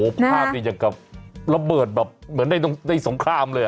ภาพดีจากกับระเบิดแบบเหมือนได้สงครามเลย